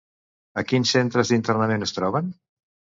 A quins centres d'internament es troben?